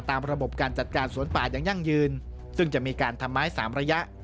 ระบบการจัดการสวนป่าอย่างยั่งยืนซึ่งจะมีการทำไม้สามระยะ